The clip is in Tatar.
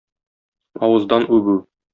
Авыздан үбү.